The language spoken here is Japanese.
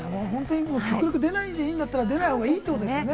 極力出ないでいいなら出ない方がいいってことですね。